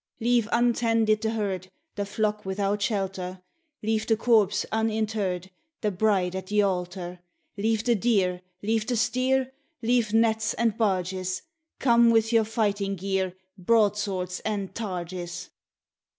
Leave untended the herd, The flock without shelter; Leave the corpse uninterr'd, The bride at the altar; Leave the deer, leave the steer, Leave nets and barges: Come with your fighting gear, Broadswords and targes.